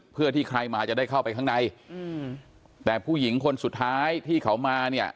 เพื่อที่ใครมาจะได้เข้าไปข้างในอืมแต่ผู้หญิงคนสุดท้ายที่เขามาเนี่ย